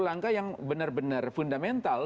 langkah yang benar benar fundamental